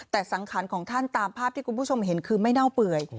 แต่สังขารของท่านตามภาพที่คุณผู้ชมเห็นคือไม่เน่าเปื่อย